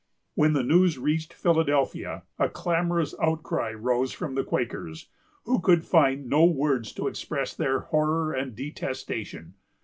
When the news reached Philadelphia, a clamorous outcry rose from the Quakers, who could find no words to express their horror and detestation.